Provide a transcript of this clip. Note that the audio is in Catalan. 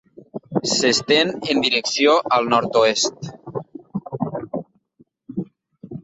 S'estén en direcció al nord-oest.